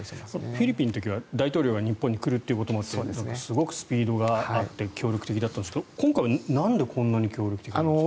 フィリピンの時は大統領が日本に来ることもあってすごくスピードがあって協力的だったんですけど今回はなんでこんなに協力的なんですか？